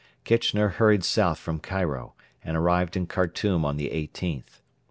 Kitchener hurried south from Cairo, and arrived in Khartoum on the 18th.